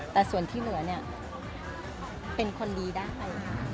แต่ส่วนที่เหลือเนี่ยเป็นคนดีได้ค่ะ